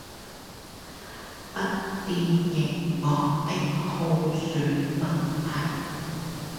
筆電螢幕的耗損問題